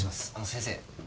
先生